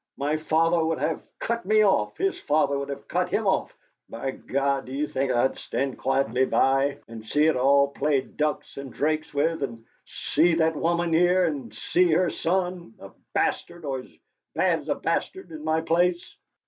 My father would have cut me off, his father would have cut him off! By God! do you think I'll stand quietly by and see it all played ducks and drakes with, and see that woman here, and see her son, a a bastard, or as bad as a bastard, in my place?